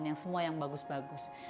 yang semua yang bagus bagus